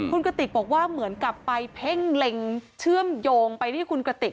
คุณกระติกบอกว่าเหมือนกับไปเพ่งเล็งเชื่อมโยงไปที่คุณกระติก